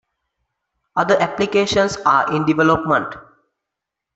Other applications are in development.